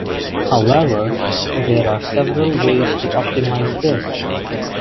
However, there are several ways to optimize this.